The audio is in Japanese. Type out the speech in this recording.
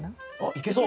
いけそう。